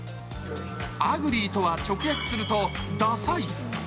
アグリーとは直訳するとダサい。